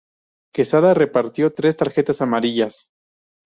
Quesada repartió tres tarjetas amarillas.